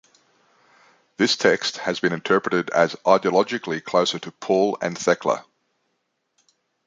This text has been interpreted as ideologically closer to "Paul and Thecla".